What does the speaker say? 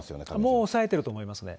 もう押さえてると思いますね。